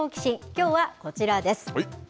きょうはこちらです。